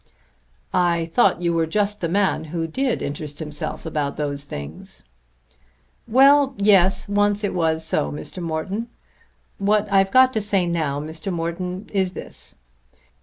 "I thought you were just the man who did interest himself about those things." "Well; yes; once it was so, Mr. Morton. What I've got to say now, Mr. Morton, is this.